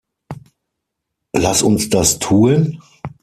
Lass uns das tuen?